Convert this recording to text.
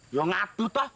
ya ngadu toh